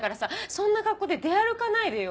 そんな格好で出歩かないでよ。